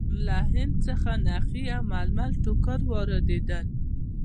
له هند څخه نخي او ململ ټوکر واردېدل.